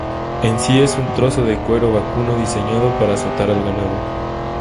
En sí es un trozo de cuero vacuno diseñado para azotar al ganado.